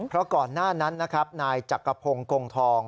เพราะก่อนหน้านั้นนะครับนายจักรพงศ์กงทอง